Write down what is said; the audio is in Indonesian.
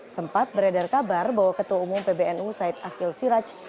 sempat beredar kabar bahwa ketua umum pbnu said akhil siraj